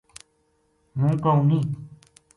ہوں کہوں ’ نیہہ‘